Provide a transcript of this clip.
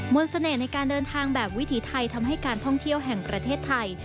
เสน่ห์ในการเดินทางแบบวิถีไทยทำให้การท่องเที่ยวแห่งประเทศไทย